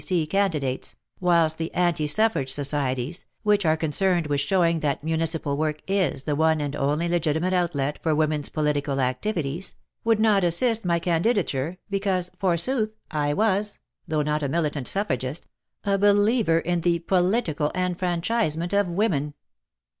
C.C. candidates, whilst the a;;2/z suffrage societies, which are concerned with showing that municipal work is the one and only legitimate outlet for vfom^ris political activities, would not assist my candidature be cause, forsooth, I was — though not a militant suffragist — a believer in the political enfran chisement of women